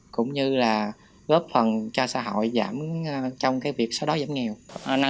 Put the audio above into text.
cũng như là góp phần cho xã hội giảm trong việc sau đó giảm nghèo